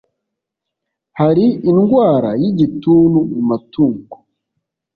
hari indwara y igituntu mu matungo